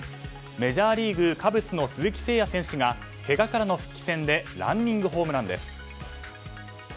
メジャーリーグカブスの鈴木誠也選手がけがからの復帰戦でランニングホームランです。